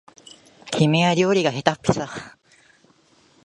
君は料理がへたっぴさ